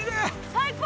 最高！